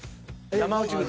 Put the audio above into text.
山内。